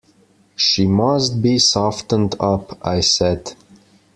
"She must be softened up," I said.